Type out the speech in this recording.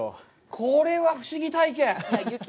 これは不思議体験。